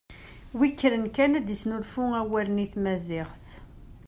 Wi ikkren kan ad d-isnulfu awalen i tmaziɣt.